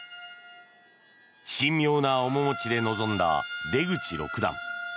神妙な面持ちで臨んだ出口六段。